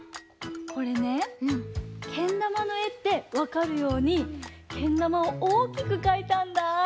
これねけんだまのえってわかるようにけんだまをおおきくかいたんだぁ！